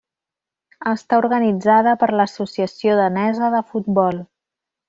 Està organitzada per l'Associació danesa de futbol.